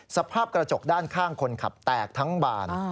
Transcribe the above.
สภาพกระจกด้านข้างคนขับแตกทั้งบาน